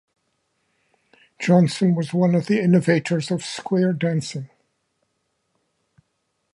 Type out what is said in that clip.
Johnson was one of the innovators of square dancing.